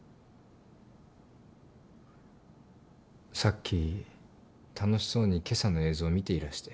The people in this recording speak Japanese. さっき楽しそうに今朝の映像を見ていらして。